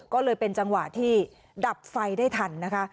ก็เลยเป็นจังหวะที่ดับไฟได้ทันนะคะ